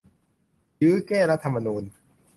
ยื้อแก้รัฐธรรมนูญ !